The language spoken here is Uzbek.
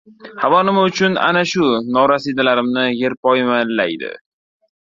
Havo nima uchun ana shu norasidalarimni yerpoymollaydi?